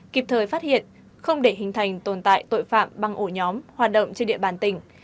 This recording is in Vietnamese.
kịp thời phát hiện không để hình thành tồn tại tội phạm băng ổ nhóm hoạt động trên địa bàn tỉnh